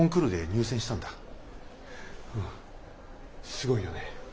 すごいよね。